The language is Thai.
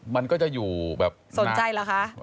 มันก็จะอยู่แบบสนใจเหรอคะ